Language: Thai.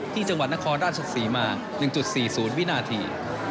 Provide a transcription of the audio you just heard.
จังหวัดนครราชศรีมา๑๔๐วินาที